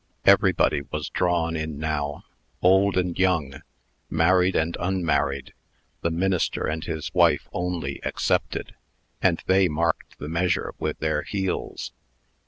Everybody was drawn in now, old and young, married and unmarried, the minister and his wife only excepted, and they marked the measure with their heels.